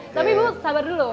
tapi ibu sabar dulu